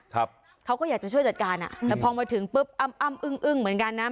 เขาก็อยากจะช่วยจัดการอ่ะแต่พอมาถึงปุ๊บอ้ำอ้ำอึ้งอึ้งเหมือนกันนะ